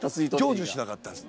成就しなかったです。